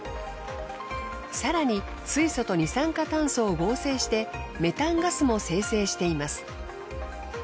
更に水素と二酸化炭素を合成してメタンガスも生成しています。